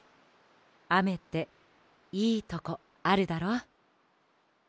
あめっていいとこあるだろ？